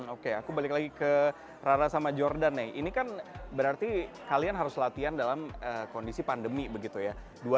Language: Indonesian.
oke aku balik lagi ke rara sama jordan nih ini kan berarti kalian harus latihan dalam kondisi pandemi begitu ya